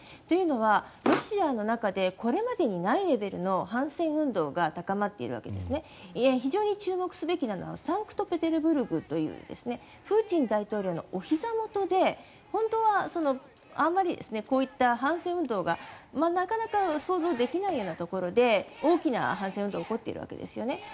というのはロシアの中でこれまでにないレベルの反戦運動が高まっているわけです非常に注目すべきなのはサンクトペテルブルクというプーチン大統領のおひざ元で本当はあまりこういった反戦運動がなかなか想像できないようなところで大きな反戦運動が起こっているわけですね。